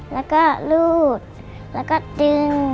แล้วก็รูดแล้วก็ดึง